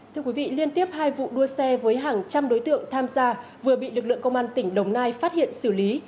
thưa quý vị liên tiếp hai vụ đua xe với hàng trăm đối tượng tham gia vừa bị lực lượng công an tỉnh đồng nai phát hiện xử lý